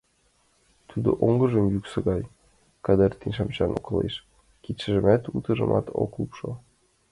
Тудо, оҥжым йӱксӧ гай кадыртен, шыман ошкылеш, кидшымат утыжым ок лупшо.